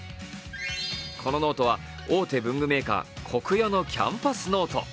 このノートは、大手文具メーカーコクヨのキャンパスノート。